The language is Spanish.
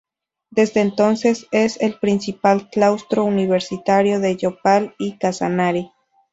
Desde entonces, es el principal claustro universitario de Yopal y Casanare.